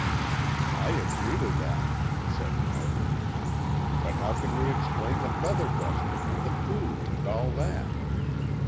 "I agree to that," said Hart. "But how can we explain the feather duster and the food and all that?"